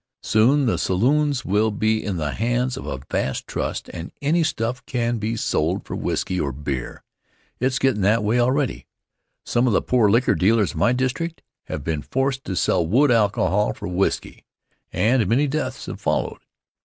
Soon the saloons will be in the hands of a vast trust' and any stuff can be sold for whisky or beer. It's gettin' that way already. Some of the poor liquor dealers in my district have been forced to sell wood alcohol for whisky, and many deaths have followed.